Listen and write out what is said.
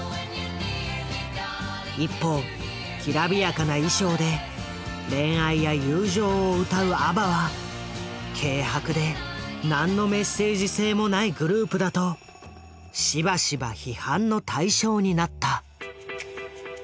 一方きらびやかな衣装で恋愛や友情を歌うＡＢＢＡは軽薄で何のメッセージ性もないグループだとしばしば批判の対象になった。